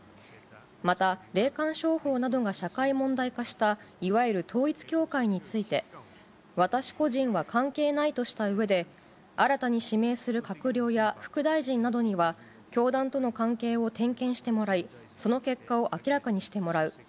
また、霊感商法などが社会問題化したいわゆる統一教会について、私個人は関係ないとしたうえで、新たに指名する閣僚や副大臣などには教団との関係を点検してもらい、その結果を明らかにしてもらう。